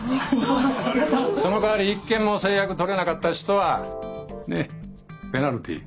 そのかわり一件も成約取れなかった人はねえペナルティー。